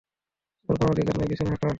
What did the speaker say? তোর কোন অধিকার নাই পিছনে হাটার।